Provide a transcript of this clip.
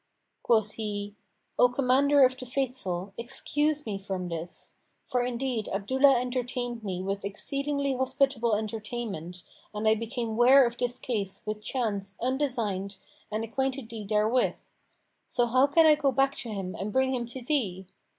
Quoth he, "O Commander of the Faithful, excuse me from this; for indeed Abdullah entertained me with exceedingly hospitable entertainment and I became ware of this case with chance undesigned and acquainted thee therewith. So how can I go back to him and bring him to thee?